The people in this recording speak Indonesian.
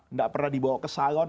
nggak pernah dibawa ke salon